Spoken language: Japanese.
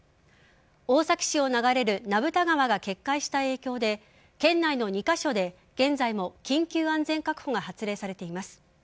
大崎市を流れる名蓋川が決壊した影響で県内の２カ所で現在も緊急安全確保が発令されています。